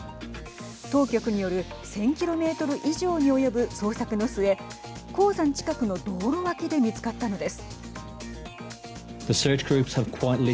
当局による１０００キロメートル以上に及ぶ捜索の末、鉱山近くの道路脇で見つかったのです。